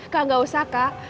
kak gak usah kak